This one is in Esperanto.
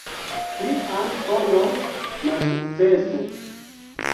Plian fojon malsukcese.